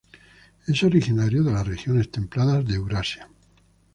Es originario de las regiones templadas de Eurasia.